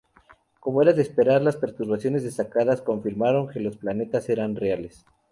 Como era de esperar, las perturbaciones detectadas confirmaron que los planetas eran reales.